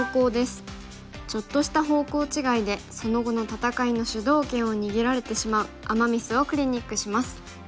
ちょっとした方向違いでその後の戦いの主導権を握られてしまうアマ・ミスをクリニックします。